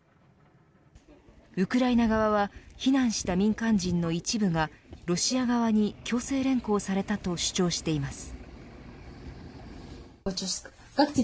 ウクライナ側は避難した民間人の一部がロシア側に強制連行されたと主張しています。